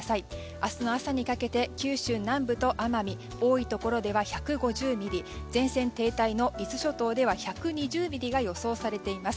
明日の朝にかけて九州南部と奄美多いところでは１５０ミリ前線停滞の伊豆諸島では１２０ミリが予想されています。